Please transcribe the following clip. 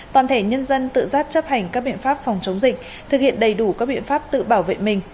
toàn thể nhân dân tự giác chấp hành các biện pháp phòng chống dịch thực hiện đầy đủ các biện pháp tự bảo vệ mình